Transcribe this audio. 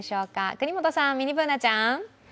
國本さん、ミニＢｏｏｎａちゃん。